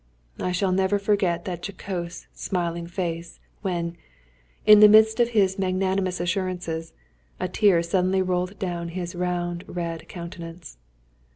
I shall never forget that jocose, smiling face, when, in the midst of his magnanimous assurances, a tear suddenly rolled down his round, red countenance!